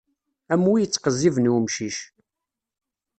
Am wi ittqezziben i umcic.